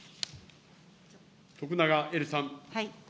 徳永エリさん。